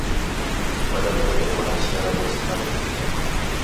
W'adaw'da w'eko na chia raw'o zima rerighita makongo.